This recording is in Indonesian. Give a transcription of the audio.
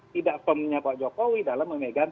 tidak firmnya pak jokowi dalam memegang